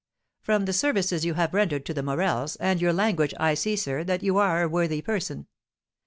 "From the services you have rendered to the Morels, and your language, I see, sir, that you are a worthy person.